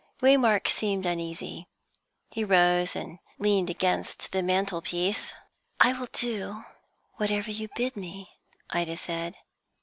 Waymark seemed uneasy. He rose and leaned against the mantelpiece. "I will do whatever you bid me," Ida said.